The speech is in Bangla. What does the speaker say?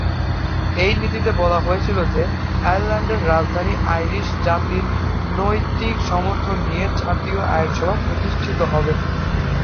এ নীতিতে বলা হয়েছিল যে, 'আয়ারল্যান্ডের রাজধানীতে আইরিশ জাতির নৈতিক সমর্থন নিয়ে জাতীয় আইনসভা প্রতিষ্ঠিত হবে।'